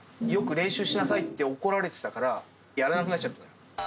よく練習しなさいって怒られてたから、やらなくなっちゃった。